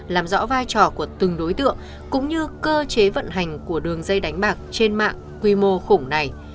làm rõ vai trò của từng đối tượng cũng như cơ chế vận hành của đường dây đánh bạc trên mạng quy mô khủng này